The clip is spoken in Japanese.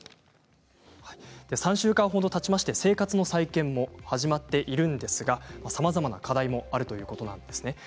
３週間ほどたって生活の再建も始まっていますがさまざまな課題もあるということです。